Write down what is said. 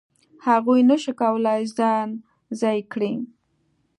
هغوی نه شي کولای ځان ځای کړي.